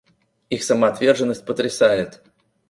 Их самоотверженность потрясает.